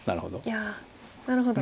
いやなるほど。